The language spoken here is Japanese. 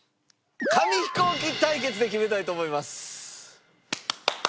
紙飛行機対決で決めたいと思います！